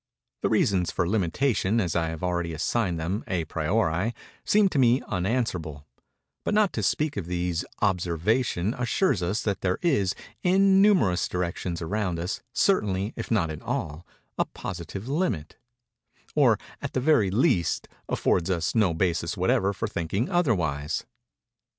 The reasons for limitation, as I have already assigned them, à priori, seem to me unanswerable; but, not to speak of these, observation assures us that there is, in numerous directions around us, certainly, if not in all, a positive limit—or, at the very least, affords us no basis whatever for thinking otherwise.